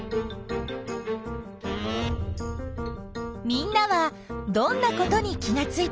みんなはどんなことに気がついた？